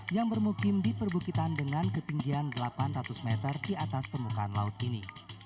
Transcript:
yang bermukim di perbukitan dengan ketinggian delapan ratus meter di atas permukaan laut ini